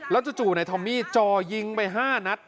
แล้วจู่จู่ในทอมมี่จอยิงไป๕นัด